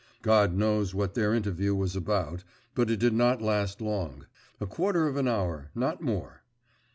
… God knows what their interview was about, but it did not last long; a quarter of an hour, not more.